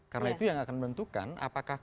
karena itu yang akan menentukan apakah